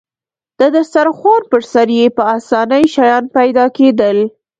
د دسترخوان پر سر يې په اسانۍ شیان پیدا کېدل.